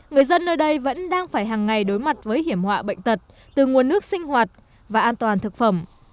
người dân nơi đây vẫn đang phải hàng ngày đối mặt với hiểm họa bệnh tật từ nguồn nước sinh hoạt và an toàn thực phẩm